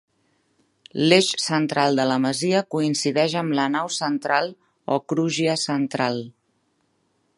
L'eix central de la masia coincideix amb la nau central o crugia central.